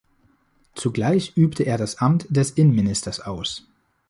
Zugleich übte er das Amt des Innenministers aus.